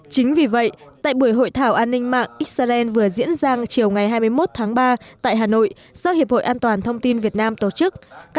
chính vì vậy tại buổi hội thảo an ninh mạng israel vừa diễn ra chiều ngày hai mươi một tháng ba tại hà nội do hiệp hội an toàn thông tin việt nam tổ chức